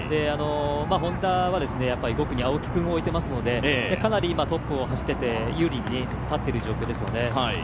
Ｈｏｎｄａは５区に青木君を置いていますからかなり今、トップを走っていて有利に立っている状況ですよね。